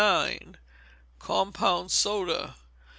Compound Soda.